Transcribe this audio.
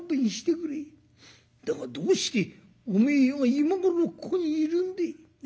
だがどうしておめえは今頃ここにいるんでえ？